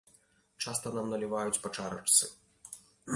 Часта нам наліваюць па чарачцы.